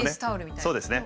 そうですね。